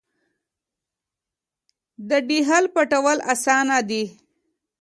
د ډهل پټول اسانه دي .